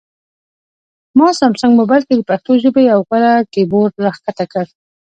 ما سامسنګ مبایل کې د پښتو ژبې یو غوره کیبورډ راښکته کړ